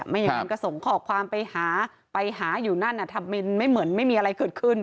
ไม่อย่างนั้นก็ส่งข้อความไปหาไปหาอยู่นั่นทำไมไม่เหมือนไม่มีอะไรเกิดขึ้น